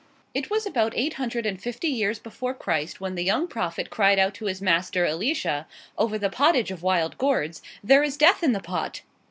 It was about eight hundred and fifty years before Christ when the young prophet cried out to his master, Elisha, over the pottage of wild gourds, "There is death in the pot!"